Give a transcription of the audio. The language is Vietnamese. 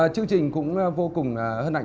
chương trình cũng vô cùng hân hạnh